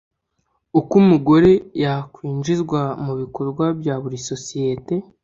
uko umugore yakwinjizwa mu bikorwa bya buri sosiyete